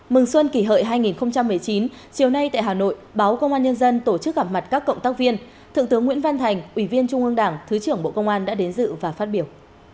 mừng xuân kỷ hợi hai nghìn một mươi chín chiều nay tại hà nội báo công an nhân dân tổ chức gặp mặt các cộng tác viên thượng tướng nguyễn văn thành ủy viên trung ương đảng thứ trưởng bộ công an đã đến dự và phát biểu